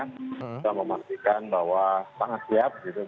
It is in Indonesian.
kita memastikan bahwa sangat siap